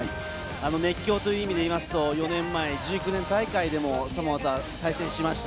熱狂という意味で言いますと４年前、１９年大会でもサモアと対戦しました。